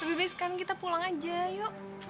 lebih baik sekarang kita pulang aja yuk